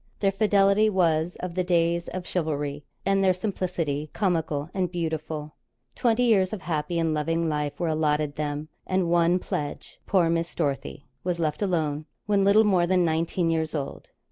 Their fidelity was of the days of chivalry, and their simplicity comical and beautiful. Twenty years of happy and loving life were allotted them and one pledge poor Miss Dorothy was left alone, when little more than nineteen years old.